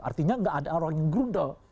artinya gak ada orang yang gerunda